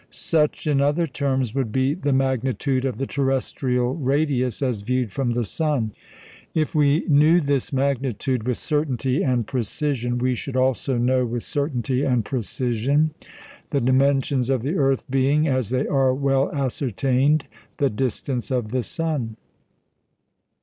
Such, in other terms, would be the magnitude of the terrestrial radius as viewed from the sun. If we knew this magnitude with certainty and precision, we should also know with certainty and precision the dimensions of the earth being, as they are, well ascertained the distance of the sun.